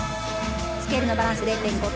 スケールのバランス０．５点。